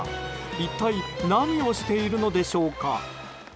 一体何をしているのでしょうか。